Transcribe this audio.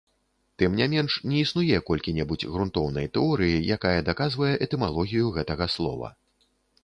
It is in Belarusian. Тым не менш, не існуе колькі-небудзь грунтоўнай тэорыі, якая даказвае этымалогію гэтага слова.